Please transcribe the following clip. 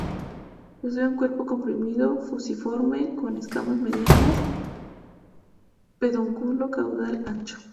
Posee un cuerpo comprimido, fusiforme, con escamas medianas, pedúnculo caudal ancho.